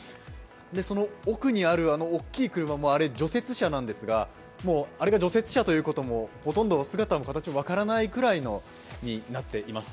その奥にある大きい車も除雪車なんですがあれが除雪車ということも、ほとんど姿形が分からないくらいになっています。